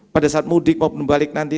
pada saat mudik maupun balik nanti